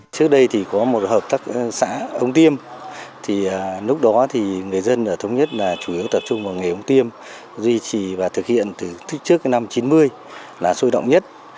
trước đây thì có một hợp tác xã ông tiêm thì lúc đó thì người dân ở thống nhất là chủ yếu tập trung vào nghề ống tiêm duy trì và thực hiện từ trước năm chín mươi là sôi động nhất